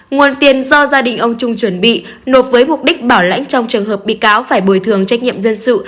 nguồn tiền do gia đình ông trung chuẩn bị nộp với mục đích bảo lãnh trong trường hợp bị cáo phải bồi thường trách nhiệm dân sự